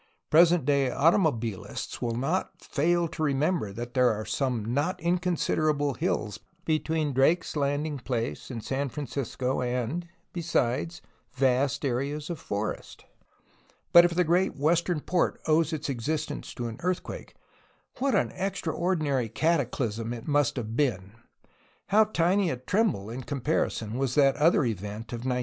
Present day automobilists will not fail to remember that there are some not inconsiderable hills between Drake's landing place and San Francisco and, be sides, vast areas of forest. But if the great western port owes its existence to an earthquake, what an extraordinary cataclysm it must have been! How tiny a tremble in com parison was that other event of 1906!